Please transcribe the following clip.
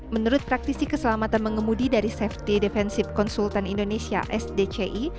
menurut praktisi keselamatan mengemudi dari safety defensive consultant indonesia sdci